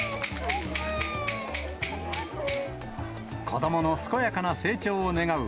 子どもの健やかな成長を願う